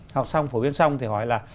học xong phổ biến xong thì hỏi là